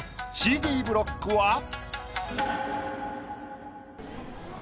Ｃ・Ｄブロックは。